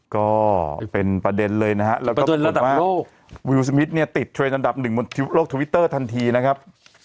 ก็เป็นประเด็นเลยนะฮะแล้วก็จนระดับโลกวิวสมิทเนี่ยติดเทรนดอันดับหนึ่งบนโลกทวิตเตอร์ทันทีนะครับ